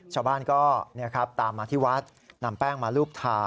ชาวบ้านก็ตามมาที่วัดนำแป้งมารูปทา